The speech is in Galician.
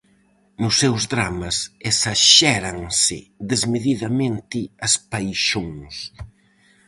Nos seus dramas esaxéranse desmedidamente as paixóns.